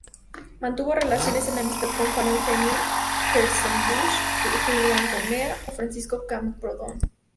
Mantuvo relaciones de amistad con Juan Eugenio Hartzenbusch, Julián Romea o Francisco Camprodón.